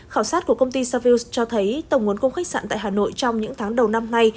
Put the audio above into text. khảo sát của công ty savius cho thấy tổng nguồn cung khách sạn tại hà nội trong những tháng đầu năm nay